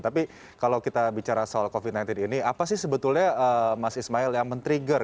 tapi kalau kita bicara soal covid sembilan belas ini apa sih sebetulnya mas ismail yang men trigger